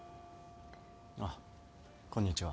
あっこんにちは。